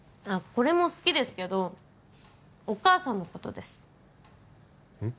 これも好きですけどお義母さんのことですうん？